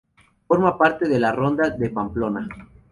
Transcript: Forma parte de la Ronda de Pamplona.